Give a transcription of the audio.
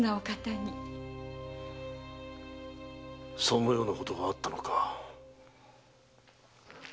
そのようなことがあったのか。